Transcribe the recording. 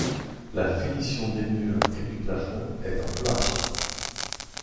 La finition des murs et du plafond est en plâtre.